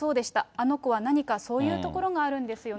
あの子は何かそういうところがあるんですよねと。